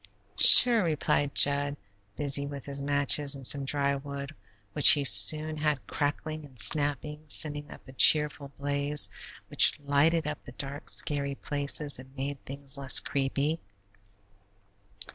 "Sure," replied Jud, busy with his matches and some dry wood, which he soon had crackling and snapping, sending up a cheerful blaze which lighted up the dark, scary places and made things less creepy.